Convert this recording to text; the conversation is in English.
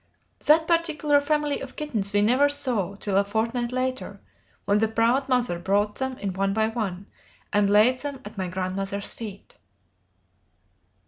That particular family of kittens we never saw till a fortnight later, when the proud mother brought them in one by one, and laid them at my grandmother's feet.